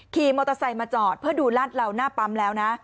ขี่มอเตอร์ไซค์มาจอดเพื่อดูลาดเหล่าหน้าปั๊มแล้วนะ